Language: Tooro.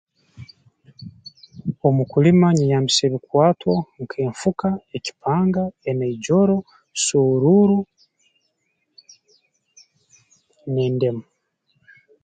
Omu kulima nyeyambisa ebikwatwa nk'enfuka ekipanga enaijoro suuruuru n'endemu